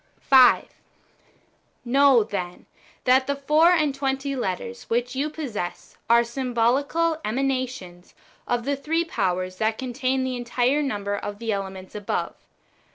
5. Know, then, that the four and tw^enty letters which you possess are symbolical emanations of the three powers that contain the entire number of the elements above.